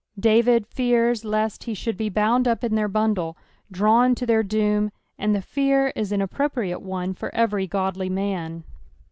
David fears lest he should be bouna up in their bundle, drawn to their doom ; and the fear is an appropriate one for every godly man.